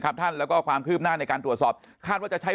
ท่านแล้วก็ความคืบหน้าในการตรวจสอบคาดว่าจะใช้